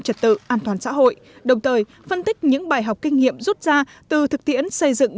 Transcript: trật tự an toàn xã hội đồng thời phân tích những bài học kinh nghiệm rút ra từ thực tiễn xây dựng